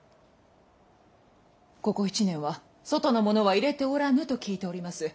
ここ１年は外の者は入れておらぬと聞いております。